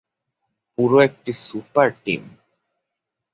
পুরো একটা super team!